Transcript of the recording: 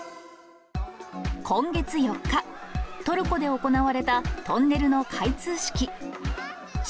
今月４日、トルコで行われたトンネルの開通式。